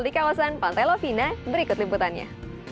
di kawasan pantai lovina berikut liputannya